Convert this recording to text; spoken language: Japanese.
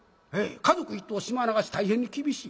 家族一統島流し大変に厳しい。